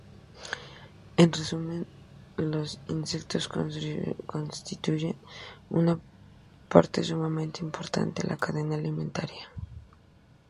En resumen, los insectos constituyen una parte sumamente importante en la cadena alimentaria.